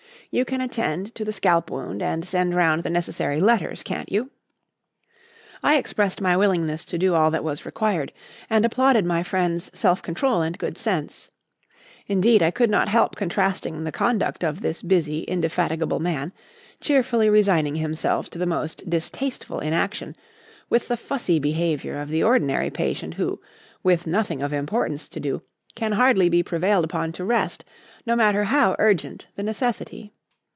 You can attend to the scalp wound and send round the necessary letters, can't you?" I expressed my willingness to do all that was required and applauded my friend's self control and good sense; indeed, I could not help contrasting the conduct of this busy, indefatigable man, cheerfully resigning himself to most distasteful inaction, with the fussy behaviour of the ordinary patient who, with nothing of importance to do, can hardly be prevailed upon to rest, no matter how urgent the necessity.